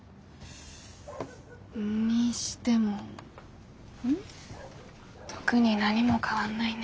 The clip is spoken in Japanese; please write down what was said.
にしても特に何も変わんないね。